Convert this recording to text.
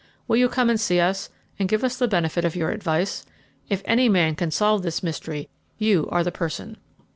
Will you come and see us, and give us the benefit of your advice? If any man can solve this mystery, you are the person."